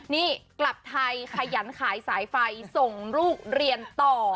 นี่กลับไทยขยันขายสายไฟส่งลูกเรียนต่อ